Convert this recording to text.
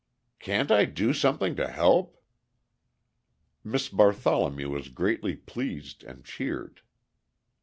"Can't I do something to help?" Miss Bartholomew was greatly pleased and cheered.